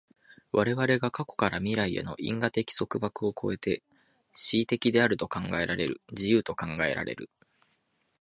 我々は過去から未来への因果的束縛を越えて思惟的であると考えられる、自由と考えられる。